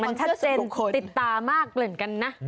มันชัดเจนติดตามากเหมือนกันนะ